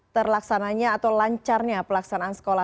terlaksananya atau lancarnya